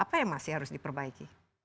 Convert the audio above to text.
apa yang masih harus diperbaiki